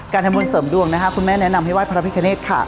ทำบุญเสริมดวงนะคะคุณแม่แนะนำให้ไห้พระพิคเนธค่ะ